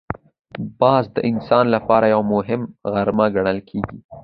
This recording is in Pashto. باز د انسان لپاره یو مهم مرغه ګڼل کېږي